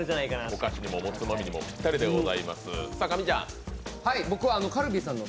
お菓子にもおつまみにもぴったりです。